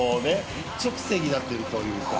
一直線になってるというか。